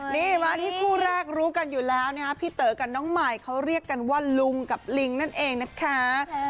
นี่มาที่คู่แรกรู้กันอยู่แล้วนะคะพี่เต๋อกับน้องใหม่เขาเรียกกันว่าลุงกับลิงนั่นเองนะคะ